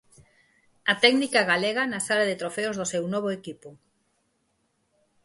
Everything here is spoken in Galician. A técnica galega, na sala de trofeos do seu novo equipo.